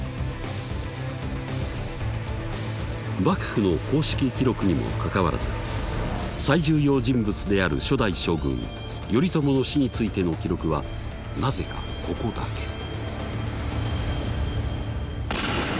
幕府の公式記録にもかかわらず最重要人物である初代将軍頼朝の死についての記録はなぜかここだけ。